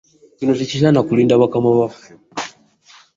Kino tekisaana kulinda bakama baffe.